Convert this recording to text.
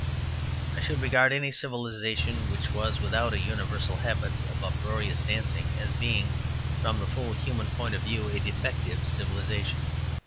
I should regard any civilization which was without a universal habit of uproarious dancing as being, from the full human point of view, a defective civilization.